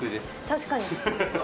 確かに。